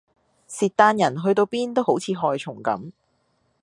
契丹人去到邊都好似害蟲咁